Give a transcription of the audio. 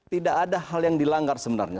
tidak ada hal yang dilanggar sebenarnya